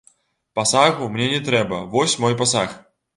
Пасагу мне не трэба, вось мой пасаг.